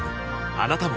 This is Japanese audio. あなたも